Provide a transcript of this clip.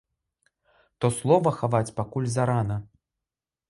То слова хаваць пакуль зарана.